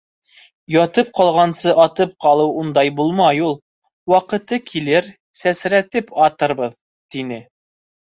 Ятып ҡалғансы, атып ҡалыу ундай булмай ул. Ваҡыты килер, сәсрәтеп атырбыҙ! — тине.